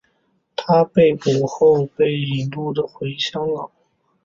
他被捕后被引渡回香港。